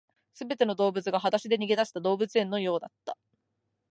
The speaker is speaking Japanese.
全ての動物が裸足で逃げ出した動物園のようだった